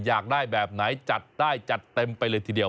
อยากได้แบบไหนจัดได้จัดเต็มไปเลยทีเดียว